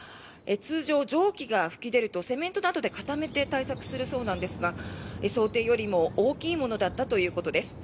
通常、蒸気が噴き出るとセメントなどで固めて対策するそうなんですが想定よりも大きいものだったということです。